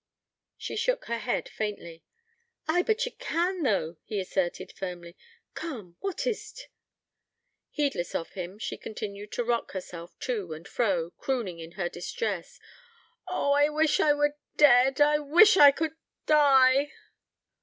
She shook her head faintly. 'Ay, but ye can though,' he asserted, firmly. 'Come, what is't?' Heedless of him, she continued to rock herself to and fro, crooning in her distress: 'Oh! I wish I were dead!... I wish I could die!'